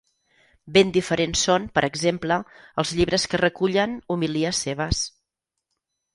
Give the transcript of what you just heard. Ben diferents són, per exemple, els llibres que recullen homilies seves.